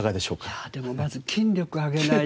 いやでもまず筋力を上げないと。